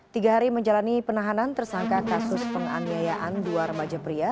tiga hari menjalani penahanan tersangka kasus penganiayaan dua remaja pria